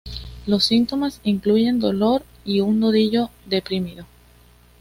Los síntomas incluyen dolor y un nudillo deprimido.